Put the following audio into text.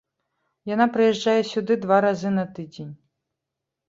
Яна прыязджае сюды два разы на тыдзень.